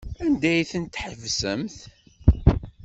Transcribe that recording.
Anda ay tent-tḥebsemt?